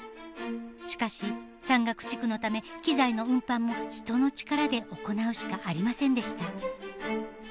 しかし山岳地区のため機材の運搬も人の力で行うしかありませんでした。